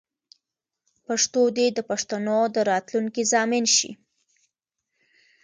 پښتو دې د پښتنو د راتلونکې ضامن شي.